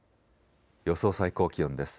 予想最高気温です。